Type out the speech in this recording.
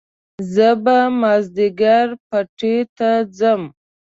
زه به مازيګر پټي ته ځم